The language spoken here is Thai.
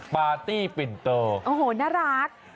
ปาร์ตี้ปิ่นโต้น่าร่าก